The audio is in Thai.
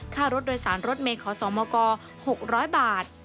ค่ารถโดยสารรถเมย์ขอสมก๖๐๐บาท